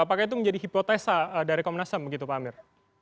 apakah itu menjadi hipotesa dari komnasem begitu pak amir